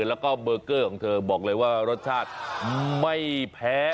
แล้วก็เบอร์เกอร์ของเธอบอกเลยว่ารสชาติไม่แพ้